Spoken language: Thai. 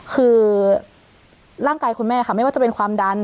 คือร่างกายคุณแม่ค่ะไม่ว่าจะเป็นความดัน